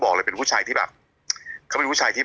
เขาเป็นผู้ชายน่ารัก